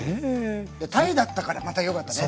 鯛だったからまたよかったね。